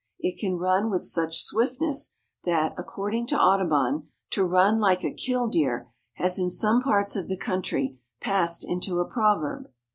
It can run with such swiftness that, according to Audubon, to run "like a killdeer" has in some parts of the country passed into a proverb.